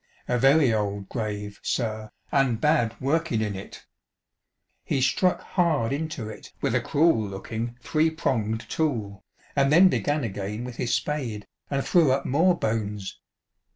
A very old grave, sir, and bad workin' in it." He struck hard into it with a cruel looking three pronged tool, and then began again with his spade, and threw^ up more bones.